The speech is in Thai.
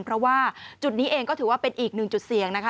เพราะว่าจุดนี้เองก็ถือว่าเป็นอีกหนึ่งจุดเสี่ยงนะคะ